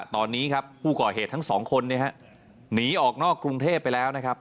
ตอนนี้ผู้ก่อเหตุทั้ง๒คนหนีออกนอกกรุงเทพฯไปแล้ว